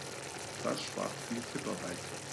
Das spart viel Tipparbeit.